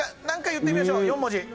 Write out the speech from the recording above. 何か言ってみましょう４文字。